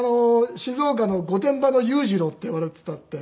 静岡の御殿場の裕次郎って言われていたって。